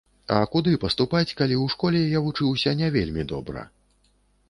А куды паступаць, калі ў школе я вучыўся не вельмі добра?